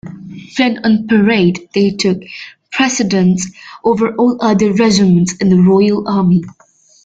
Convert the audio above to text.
When on parade, they took precedence over all other regiments in the Royal Army.